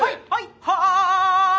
はい！